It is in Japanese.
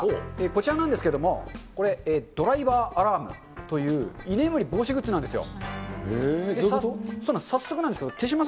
こちらなんですけれども、これ、ドライバーアラームという、居眠り防止グッズなんですよ。